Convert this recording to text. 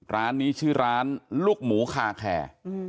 ร้านนี้ชื่อร้านลูกหมูคาแคร์